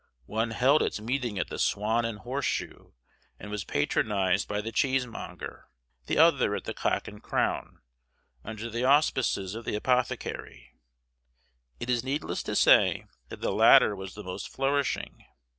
One held its meeting at the Swan and Horse Shoe, and was patronized by the cheesemonger; the other at the Cock and Crown, under the auspices of the apothecary: it is needless to say that the latter was the most flourishing.